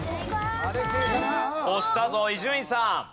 押したぞ伊集院さん。